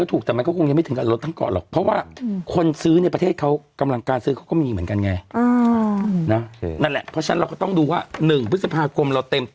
ทุกปีทุกคนเขาไปแบบซื้อแบรนด์เนม